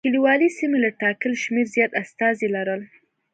کلیوالي سیمو له ټاکلي شمېر زیات استازي لرل.